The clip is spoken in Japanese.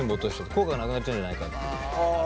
効果がなくなっちゃうんじゃないかっていう。